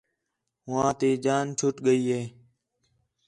ہوآں تی جان چُھٹ ڳئی ہِے